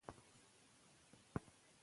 هغوی په ډېر سوق کتابونه لوستل.